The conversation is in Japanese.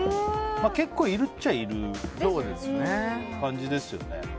結構いるっちゃいる感じですよね。